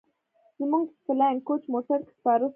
موږ په فلاينګ کوچ موټر کښې سپاره سو.